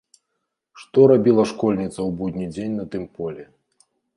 Што рабіла школьніца ў будні дзень на тым полі?